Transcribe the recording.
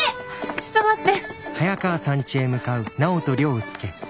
ちょっと待って！